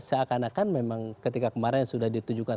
seakan akan memang ketika kemarin sudah ditujukan